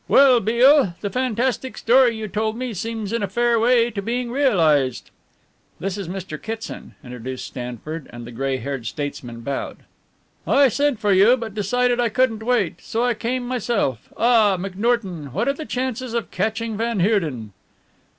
"Well, Beale, the fantastic story you told me seems in a fair way to being realized." "This is Mr. Kitson," introduced Stanford, and the grey haired statesman bowed. "I sent for you, but decided I couldn't wait so I came myself. Ah, McNorton, what are the chances of catching van Heerden?"